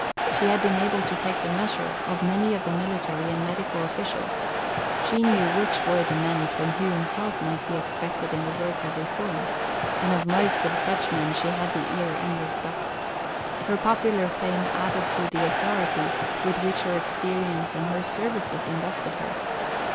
She had been able to take the measure of many of the military and medical officials; she knew which were the men from whom help might be expected in the work of reform, and of most of such men she had the ear and the respect. Her popular fame added to the authority with which her experience and her services invested her.